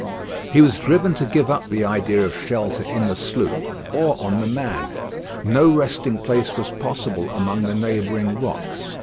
He was driven to give up the idea of shelter in the sloop or on "The Man." No resting place was possible among the neighbouring rocks.